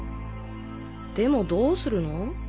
でもどうするの？